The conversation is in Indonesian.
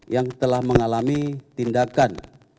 yang telah mengalami tindakan